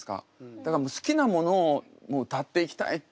だから好きなものを歌っていきたいって。